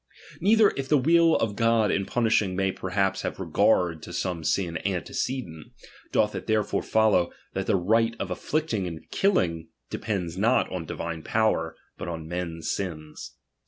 Neither, if the will of God in punishing may perhaps have regard to some sin antecedent, doth it therefore follow, that the right of afflicting and killing de pends not on divine power, but on men's sins.